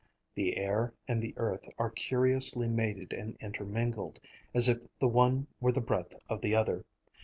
The air and the earth are curiously mated and intermingled, as if the one were the breath of the other.